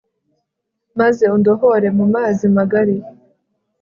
maze undohore mu mazi magari